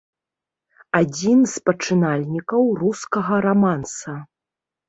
Адзін з пачынальнікаў рускага раманса.